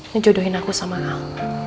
ngejodohin aku sama al